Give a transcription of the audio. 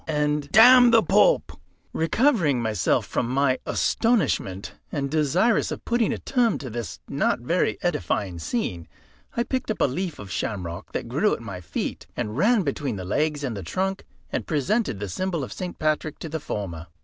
and "D the Pope!" Recovering myself from my astonishment, and desirous of putting a term to this not very edifying scene, I picked up a leaf of shamrock, that grew at my feet, and ran between the legs and the trunk, and presented the symbol of St. Patrick to the former.